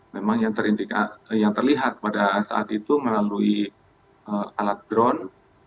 memang yang terlihat pada saat itu melalui alat drone